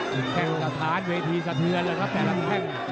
แข้งสถานเวทีสะเทือนเลยครับแต่ละแข้ง